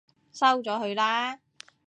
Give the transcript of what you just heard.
收咗佢啦！